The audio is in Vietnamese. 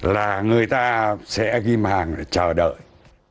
là người ta sẽ ghim hàng để chờ đợi